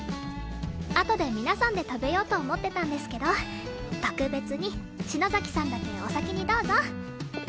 あとで皆さんで食べようと思ってたんですけど特別に篠崎さんだけお先にどうぞ。